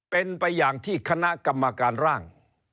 เป็นไปอย่างที่คณะกรรมการร่าง